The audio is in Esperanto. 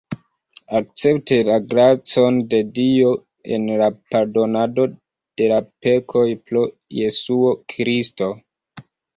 Akcepti la gracon de Dio en la pardonado de la pekoj pro Jesuo Kristo.